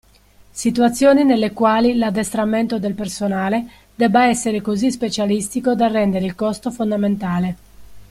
Situazioni nelle quali l'addestramento del personale debba essere così specialistico da rendere il costo fondamentale.